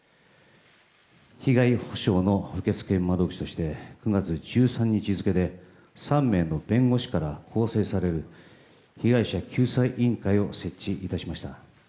被害補償の受付窓口として９月１３日付で３名の弁護士から構成される被害者救済委員会を設置いたしました。